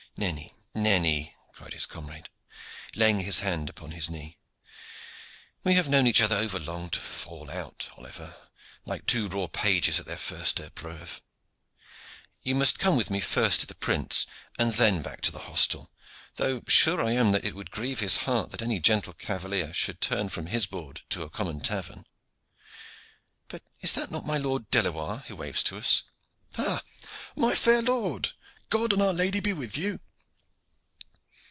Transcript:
"Nenny, nenny," cried his comrade, laying his hand upon his knee; "we have known each other over long to fall out, Oliver, like two raw pages at their first epreuves. You must come with me first to the prince, and then back to the hostel; though sure I am that it would grieve his heart that any gentle cavalier should turn from his board to a common tavern. But is not that my Lord Delewar who waves to us? Ha! my fair lord, God and Our Lady be with you!